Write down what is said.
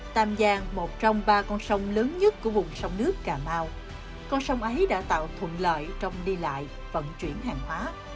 tam giang một trong ba con sông lớn nhất của vùng sông nước cà mau con sông ấy đã tạo thuận lợi trong đi lại vận chuyển hàng hóa